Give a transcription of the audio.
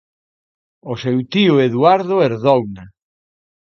O seu tío Eduardo herdouna.